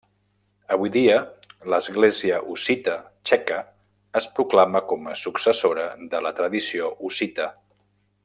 Avui dia, l'Església Hussita Txeca es proclama com a successora de la tradició hussita.